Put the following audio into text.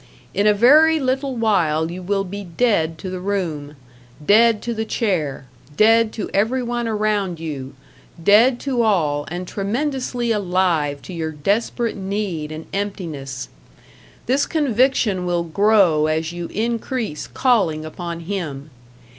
In a very little while you will be #dead to the room, dead to the chair#, dead to everyone around you, dead to all and tremendously alive to your desperate need and emptyness; this conviction will grow as you increase calling upon Him.